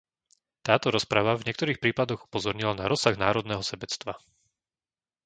Táto rozprava v niektorých prípadoch upozornila na rozsah národného sebectva.